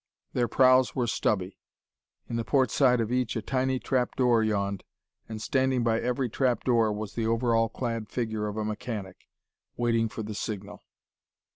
Their prows were stubby; in the port side of each a tiny trap door yawned, and standing by every trap door was the overall clad figure of a mechanic, waiting for the signal.